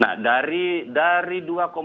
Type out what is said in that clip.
nah dari dua dua